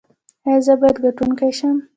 ایا زه باید ګټونکی شم؟